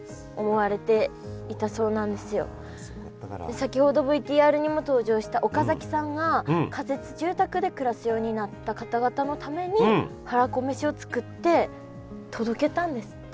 先ほどＶＴＲにも登場した岡崎さんが仮設住宅で暮らすようになった方々のためにはらこめしを作って届けたんですって。